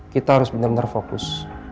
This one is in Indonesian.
kita harus benar benar fokus